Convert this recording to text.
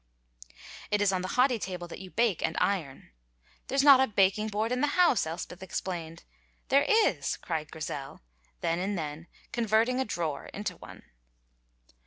It is on the hoddy table that you bake and iron. "There's not a baking board in the house," Elspeth explained. "There is!" cried Grizel, there and then converting a drawer into one.